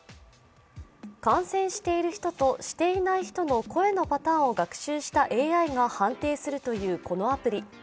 感染している人としていない人の声のパターンを学習したＡＩが判定するというこのアプリ。